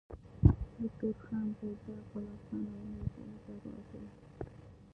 له تورخم، بولدک، غلام خان او نورو دروازو